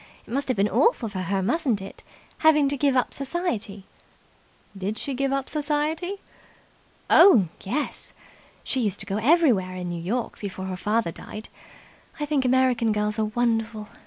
It must have been awful for her, mustn't it, having to give up society." "Did she give up society?" "Oh, yes. She used to go everywhere in New York before her father died. I think American girls are wonderful.